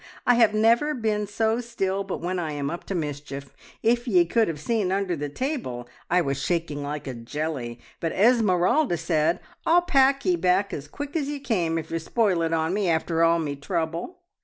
I have never been so still but when I am up to mischief. If ye could have seen under the table, I was shaking like a jelly, but Esmeralda said, `I'll pack ye back as quick as ye came if you spoil it on me, after all me trouble!'"